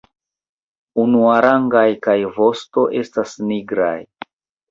Unuarangaj kaj vosto estas nigraj.